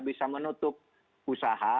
bisa menutup usaha